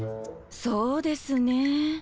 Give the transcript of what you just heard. そうですね。